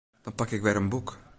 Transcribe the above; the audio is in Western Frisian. Dan pak ik wer in boek.